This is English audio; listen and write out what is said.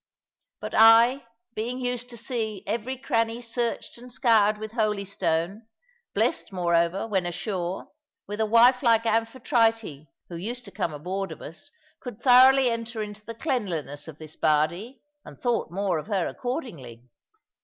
But I, being used to see every cranny searched and scoured with holy stone, blest, moreover, when ashore, with a wife like Amphitrite (who used to come aboard of us), could thoroughly enter into the cleanliness of this Bardie, and thought more of her accordingly.